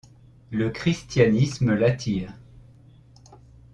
Le christianisme l’attire.